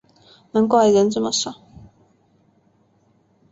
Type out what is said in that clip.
难怪人这么少